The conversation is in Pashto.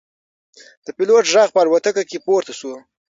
د پیلوټ غږ په الوتکه کې پورته شو.